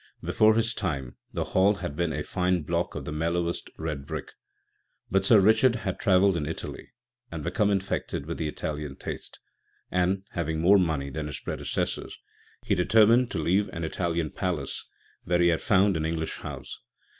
Before his time the Hall had been a fine block of the mellowest red brick; but Sir Richard had travelled in Italy and become infected with the Italian taste, and, having more money than his predecessors, he determined to leave an Italian palace where he had found an English house.